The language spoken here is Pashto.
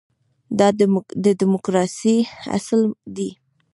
دا د ډیموکراسۍ اصل دی.